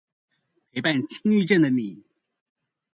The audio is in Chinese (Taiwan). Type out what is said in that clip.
陪伴輕鬱症的你